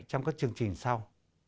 trong các chương trình sau